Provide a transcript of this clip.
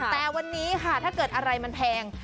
แต่วันนี้ค่ะถ้าเกิดอะไรมันแพง